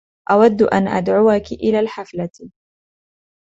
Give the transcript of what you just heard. أودُ أن أدعوكي إلى الحفلة.